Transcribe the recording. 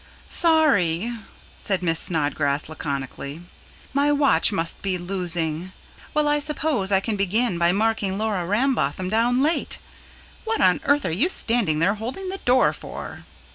"Sorry," said Miss Snodgrass laconically. "My watch must be losing. Well, I suppose I can begin by marking Laura Rambotham down late. What on earth are you standing there holding the door for?"